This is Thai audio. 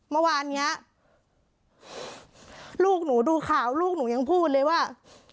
เมื่อวานเนี้ยลูกหนูดูข่าวลูกหนูยังพูดเลยว่า